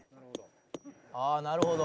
「ああなるほど」